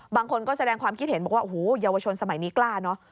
บางคนก็แสดงความคิดเห็นบอกว่าโอ้โหเยาวชนสมัยนี้กล้าเนอะ